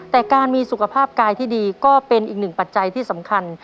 แต่การมีสุขภาพกายที่ดีก็เป็นอีกหนึ่งปัจจัยที่สำคัญ